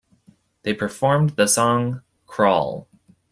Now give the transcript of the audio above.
They performed the song "Crawl".